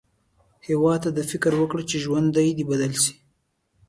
هیواد ته فکر وکړه، چې ژوند دې بدل شي